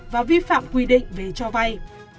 và vi phạm quy định về cho vay